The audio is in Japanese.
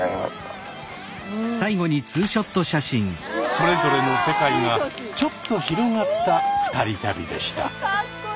それぞれの世界がちょっと広がった２人旅でした。